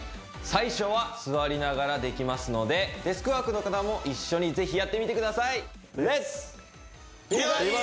最初は座りながらできますのでデスクワークの方も一緒にぜひやってみてください